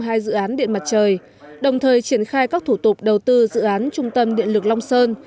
hai dự án điện mặt trời đồng thời triển khai các thủ tục đầu tư dự án trung tâm điện lực long sơn